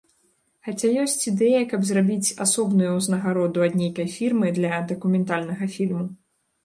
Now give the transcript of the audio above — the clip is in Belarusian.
Хаця ёсць ідэя каб зрабіць асобную узнагароду ад нейкай фірмы для дакументальнага фільму.